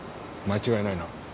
間違いないな？